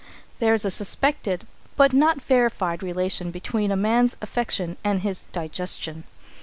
There is a suspected but not verified relation between a man's affection and his digestion.